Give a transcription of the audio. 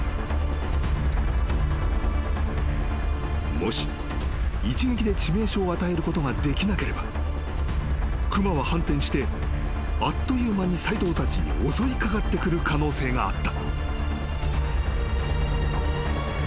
［もし一撃で致命傷を与えることができなければ熊は反転してあっという間に斎藤たちに襲い掛かってくる可能性があった］